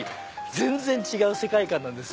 全然違う世界観なんです。